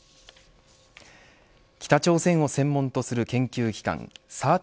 北朝鮮を専門とする研究機関３８